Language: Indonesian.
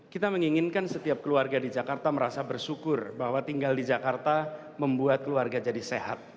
kita menginginkan setiap keluarga di jakarta merasa bersyukur bahwa tinggal di jakarta membuat keluarga jadi sehat